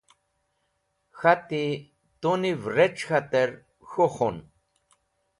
K̃hati: Tu niv rec̃h k̃hater k̃hũ khun.